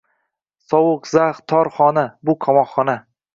Sovuq, zax, tor xona. Bu qamoqxona.